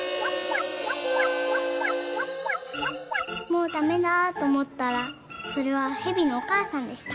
「もうダメだとおもったらそれはへびのおかあさんでした。